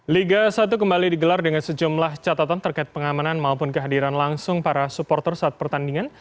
liga satu kembali digelar dengan sejumlah catatan terkait pengamanan maupun kehadiran langsung para supporter saat pertandingan